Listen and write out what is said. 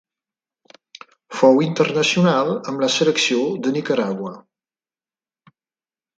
Fou internacional amb la selecció de Nicaragua.